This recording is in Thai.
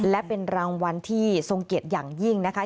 และเป็นรางวัลที่ทรงเกียรติอย่างยิ่งนะคะ